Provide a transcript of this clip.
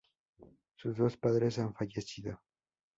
Sus dos padres han fallecido.